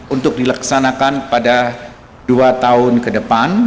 untuk dilaksanakan pada dua tahun ke depan